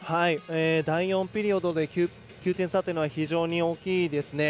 第４ピリオドで９点差というのは非常に大きいですね。